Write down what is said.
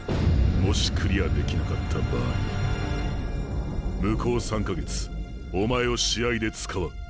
もしクリアできなかった場合向こう３か月お前を試合で使わん。